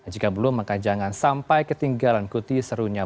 jika belum maka jangan sampai ketinggalan kuti serunya